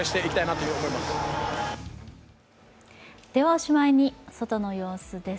おしまいに、外の様子です。